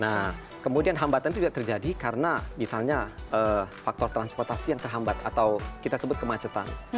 nah kemudian hambatan itu juga terjadi karena misalnya faktor transportasi yang terhambat atau kita sebut kemacetan